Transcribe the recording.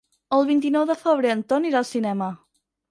El vint-i-nou de febrer en Ton irà al cinema.